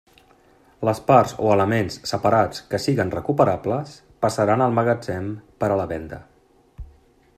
Les parts o elements separats que siguen recuperables passaran al magatzem per a la venda.